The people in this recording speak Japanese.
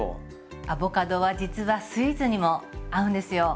アボカドは実はスイーツにも合うんですよ！